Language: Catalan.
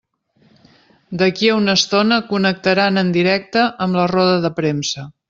D'aquí a una estona connectaran en directe amb la roda de premsa.